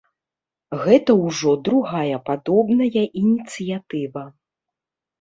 Гэта ўжо другая падобная ініцыятыва.